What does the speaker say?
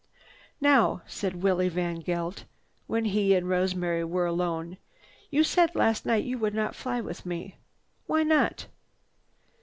"Now," said Willie VanGeldt when he and Rosemary were alone, "You said last night you would not fly with me. Why not?"